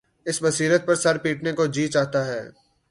اس بصیرت پر سر پیٹنے کو جی چاہتا ہے۔